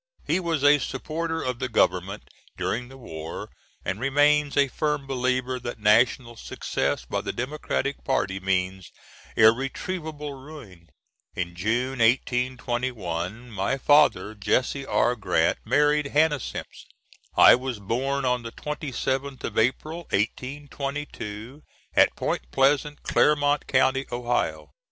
He was a supporter of the Government during the war, and remains a firm believer, that national success by the Democratic party means irretrievable ruin. In June, 1821, my father, Jesse R. Grant, married Hannah Simpson. I was born on the 27th of April, 1822, at Point Pleasant, Clermont County, Ohio.